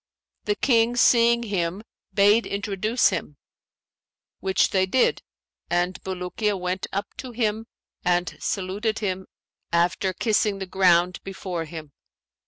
The King seeing him bade introduce him, which they did; and Bulukiya went up to him and saluted him after kissing the ground before him.